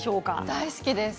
大好きです。